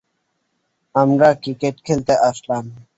আমরা ক্রিকেট খেলতে আসলাম।